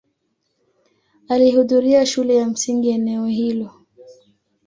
Alihudhuria shule ya msingi eneo hilo.